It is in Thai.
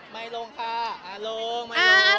ไมค์ลงค่ะอ่าลง